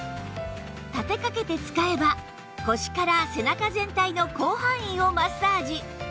立て掛けて使えば腰から背中全体の広範囲をマッサージ